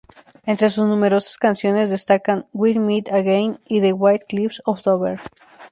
Entre sus numerosas canciones destacan "We'll Meet Again" y "The White Cliffs of Dover".